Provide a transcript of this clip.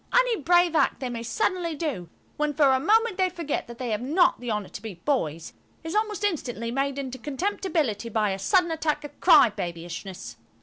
Any brave act they may suddenly do, when for a moment they forget that they have not the honour to be boys, is almost instantly made into contemptibility by a sudden attack of crybabyishness.